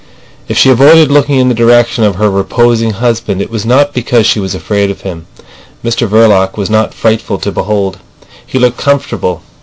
If she avoided looking in the direction of her reposing husband it was not because she was afraid of him. Mr Verloc was not frightful to behold. He looked comfortable.